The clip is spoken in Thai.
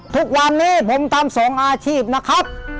ทุกวันนี้ผมทำ๒อาชีพนะครับ